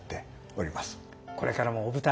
これからもお舞台